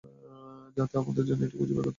যাতে আমাদের জন্য এটি খুঁজে বের করতে পারি।